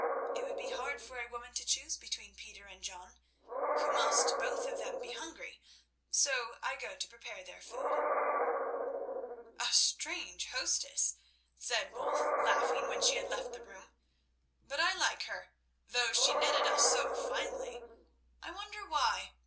It would be hard for a woman to choose between Peter and John, who must both of them be hungry, so I go to prepare their food." "A strange hostess," said Wulf, laughing, when she had left the room; "but I like her, though she netted us so finely. I wonder why?